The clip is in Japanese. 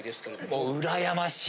うらやましい？